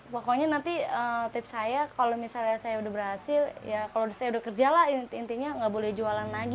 pokoknya nanti tips saya kalau misalnya saya udah berhasil ya kalau saya udah kerja lah intinya nggak boleh jualan lagi